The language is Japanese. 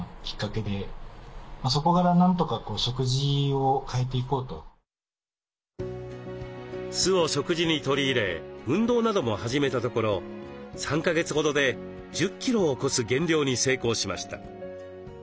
一念発起してなんとか酢を食事に取り入れ運動なども始めたところ３か月ほどで１０キロを超す減量に成功しました。